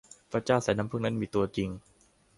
พระเจ้าสายน้ำผึ้งนั้นมีตัวจริง